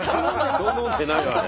「人」飲んでないわね。